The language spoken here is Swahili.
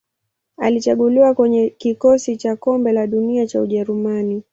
Alichaguliwa kwenye kikosi cha Kombe la Dunia cha Ujerumani.